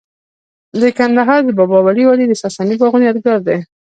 د کندهار د بابا ولی وادي د ساساني باغونو یادګار دی